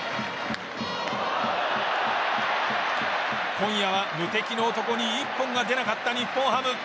今夜は無敵の男に一本が出なかった日本ハム。